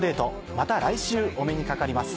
また来週お目にかかります。